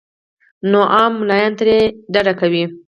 نو عام ملايان ترې يا ډډه کوي